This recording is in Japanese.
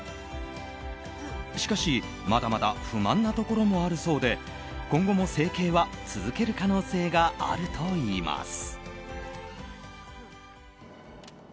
しかし、まだまだ不満なところもあるそうで今後も整形は続ける可能性があると言います。